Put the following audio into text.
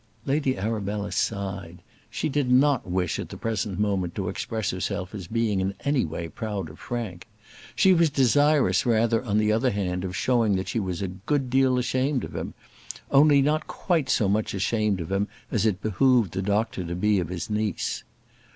Lady Arabella sighed. She did not wish at the present moment to express herself as being in any way proud of Frank. She was desirous rather, on the other hand, of showing that she was a good deal ashamed of him; only not quite so much ashamed of him as it behoved the doctor to be of his niece.